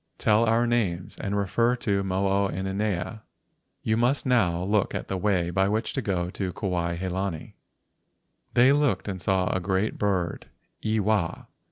Tell our names and refer to Mo o inanea. You must now look at the way by which to go to Kuai he lani. They looked and saw a great bird—Iwa.